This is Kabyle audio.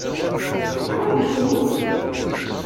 Ɣaḍent-tent?